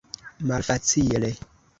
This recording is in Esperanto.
Malfacile.